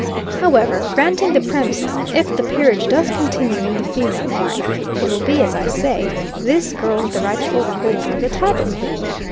However, granting the premises, and if the peerage does continue in the female line, it will be as I say this girl's the rightful holder of the title!"